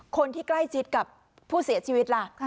คนที่ใกล้ชิดกับผู้เสียชีวิตล่ะ